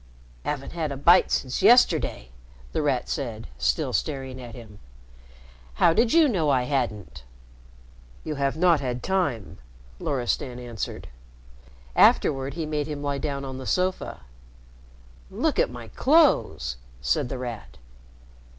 "Haven't had a bite since yesterday," The Rat said, still staring at him. "How did you know I hadn't?" "You have not had time," Loristan answered. Afterward he made him lie down on the sofa. "Look at my clothes," said The Rat.